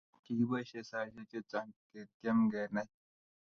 Kikiboisie saisiek che chang ketiem kenai